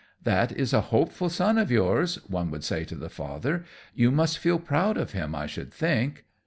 "That is a hopeful son of yours," one would say to the father; "you must feel proud of him I should think."